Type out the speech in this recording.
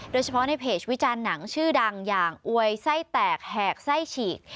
โดยเฉพาะในเพจวิจารณ์หนังชื่อดังอย่างอวยไส้แตกแหกไส้ฉีก